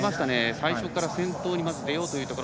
最初から先頭に出ようというところ。